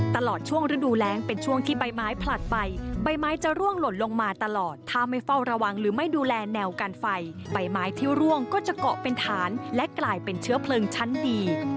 ตลอดช่วงฤดูแรงเป็นช่วงที่ใบไม้ผลัดไปใบไม้จะร่วงหล่นลงมาตลอดถ้าไม่เฝ้าระวังหรือไม่ดูแลแนวกันไฟใบไม้ที่ร่วงก็จะเกาะเป็นฐานและกลายเป็นเชื้อเพลิงชั้นดี